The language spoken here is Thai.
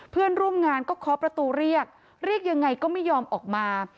เพื่อนร่วมงานก็เคาะประตูเรียกเรียกยังไงก็ไม่ยอมออกมา